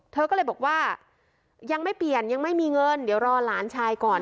เธอก็เลยบอกว่ายังไม่เปลี่ยนยังไม่มีเงินเดี๋ยวรอหลานชายก่อน